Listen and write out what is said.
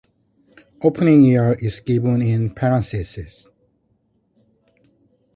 Opening year is given in parentheses.